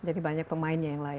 jadi banyak pemainnya yang lain